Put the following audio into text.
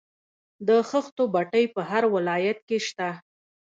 د خښتو بټۍ په هر ولایت کې شته